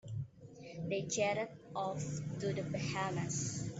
They jetted off to the Bahamas.